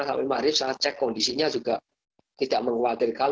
sampai hari ini saya cek kondisinya juga tidak mengkhawatirkan